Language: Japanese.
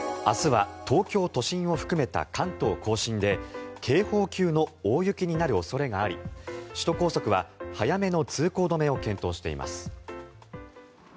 明日は東京都心を含めた関東・甲信で警報級の大雪になる恐れがあり首都高速は早めの通行止めを検討しています。